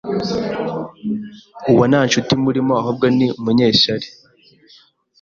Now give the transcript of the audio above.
uwo nta nshuti imurimo ahubwo ni umunyeshyari.